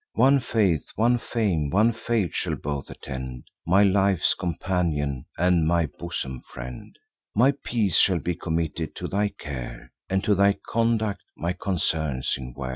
One faith, one fame, one fate, shall both attend; My life's companion, and my bosom friend: My peace shall be committed to thy care, And to thy conduct my concerns in war."